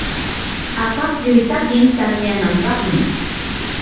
akaklluy takin tamyanampaqmi.